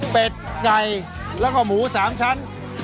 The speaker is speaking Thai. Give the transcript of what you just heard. ไก่แล้วก็หมู๓ชั้น